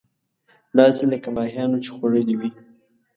داسې لکه ماهيانو چې خوړلې وي.